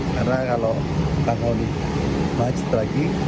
karena kalau bangun maju lagi